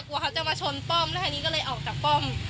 เขาจะมาชนป้อมแล้วทีนี้ก็เลยออกจากป้อม